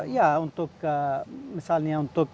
ya untuk misalnya untuk